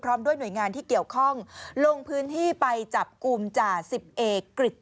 ด้วยหน่วยงานที่เกี่ยวข้องลงพื้นที่ไปจับกลุ่มจ่าสิบเอกกริจ